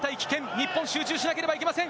日本集中しなければいけません。